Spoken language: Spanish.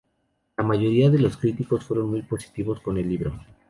La mayoría de los críticos fueron muy positivos con el libro.